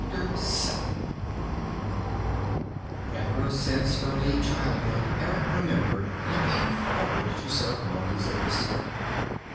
_" VIII Ever since early childhood, Eric remembered looking forward to ceremonies of this sort.